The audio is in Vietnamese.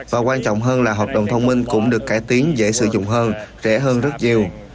và quan trọng hơn là hợp đồng thông minh cũng được cải tiến dễ sử dụng hơn rẻ hơn rất nhiều